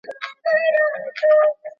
پروسس شوي خوراکي توکي د ستونزې لوی لامل دي.